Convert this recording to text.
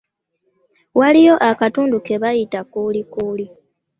Waliyo akatundu ke bayita Kulikuli.